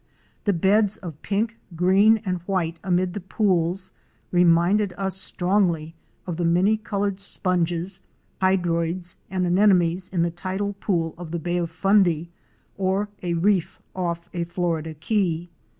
The beds of pink, green and white amid the pools reminded us strongly of the many colored sponges, hydroids and anemones in a tidal pool of the Bay of Fundy or a reef off a Florida Key.